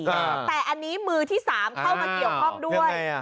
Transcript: แต่อันนี้มือที่๓เข้ามาเกี่ยวข้องด้วย